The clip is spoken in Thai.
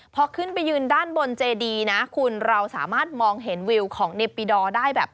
พอขึ้นไปยืนด้านบนเจดีนะคุณเราสามารถมองเห็นวิวของเนปิดอร์ได้แบบ